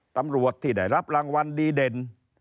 ตำรวจที่ได้รับรางวัลดีเด่น